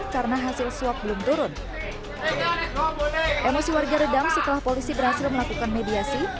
karena hasil swab belum turun emosi warga redam setelah polisi berhasil melakukan mediasi